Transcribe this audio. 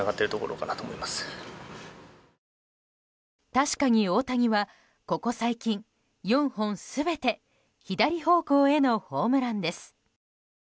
確かに、大谷はここ最近４本全て左方向へのホームランです。